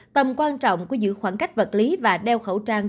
tầm quan trọng của giữ khoảng cách vật lý và đeo khẩu trang